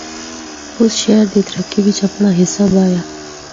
اس شہر دی ترقی بچ اپنڑا حصہ بایا۔